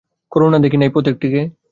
করুণা দেখে নাই পথিকটি কে।